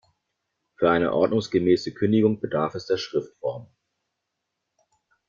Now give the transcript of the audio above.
Für eine ordnungsgemäße Kündigung bedarf es der Schriftform.